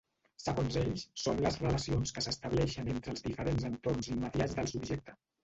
Segons ells, són les relacions que s'estableixen entre els diferents entorns immediats del subjecte.